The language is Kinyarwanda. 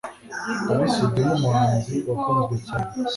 Ally Soudy nk'umuhanzi wakunzwe cyane